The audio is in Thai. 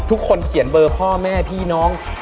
ทุกคนเขียนเบอร์พ่อแม่พี่น้อง